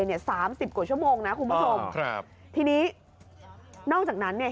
เนี่ยสามสิบกว่าชั่วโมงนะคุณผู้ชมครับทีนี้นอกจากนั้นเนี่ย